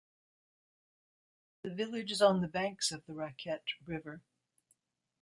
The village is on the banks of the Raquette River.